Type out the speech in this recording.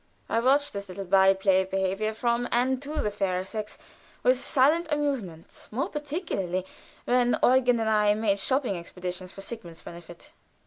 I often watched this little by play of behavior from and to the fairer sex with silent amusement, more particularly when Eugen and I made shopping expeditious for Sigmund's benefit.